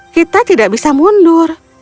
kita tidak bisa mundur